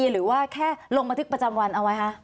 หรือว่าแค่ลงบันทึกประจำวันเอาไว้คะ